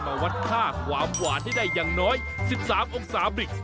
มาวัดค่าความหวานให้ได้อย่างน้อย๑๓องศาบริก